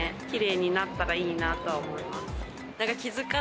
キレイになったらいいなとは思います。